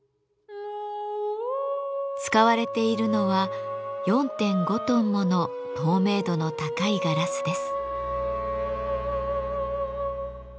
使われているのは４．５トンもの透明度の高いガラスです。